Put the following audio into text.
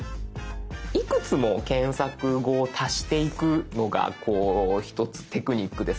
いくつも検索語を足していくのがこう一つテクニックですよね。